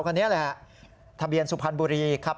คันนี้แหละทะเบียนสุพรรณบุรีครับ